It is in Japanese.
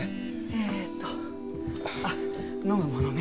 えーっとあっ飲むものね。